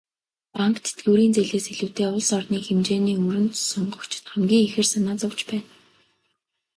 Банк, тэтгэврийн зээлээс илүүтэй улс орны хэмжээний өрөнд сонгогчид хамгийн ихээр санаа зовж байна.